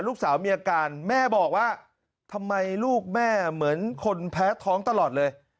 ลูกสาวมีอาการแม่บอกว่าทำไมลูกแม่เหมือนคนแพ้ท้องตลอดเลย